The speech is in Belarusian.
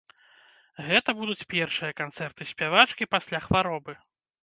Гэта будуць першыя канцэрты спявачкі пасля хваробы.